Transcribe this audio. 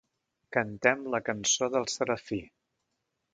Cantem la cançó del Serafí.